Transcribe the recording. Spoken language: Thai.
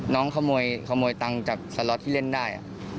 น้องขโมยตังค์จากสล็อตที่เล่นได้